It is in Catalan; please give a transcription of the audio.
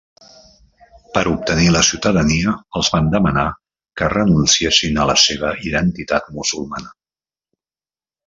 Per obtenir la ciutadania, els van demanar que renunciessin a la seva identitat musulmana.